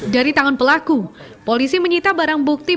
dari tangan pelaku polisi menyita barang bukti